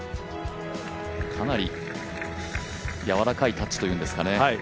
かなりやわらかいタッチというんですかね。